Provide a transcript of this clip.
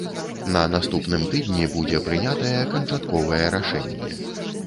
На наступным тыдні будзе прынятае канчатковае рашэнне.